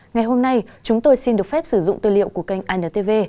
ngày hôm nay chúng tôi xin được phép sử dụng tư liệu của kênh intv